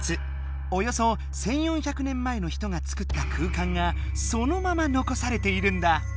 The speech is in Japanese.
およそ１４００年前の人が作った空間がそのまま残されているんだ。